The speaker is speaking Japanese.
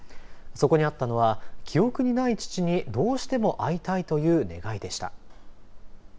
そこにあったのは記憶にない父にどうしても会いたいという願いでした。